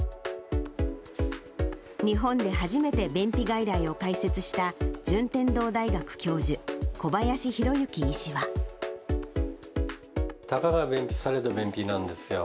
日本で初めて便秘外来を開設した、順天堂大学教授、たかが便秘、されど便秘なんですよ。